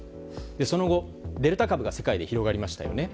その後、デルタ株が世界で広がりましたよね。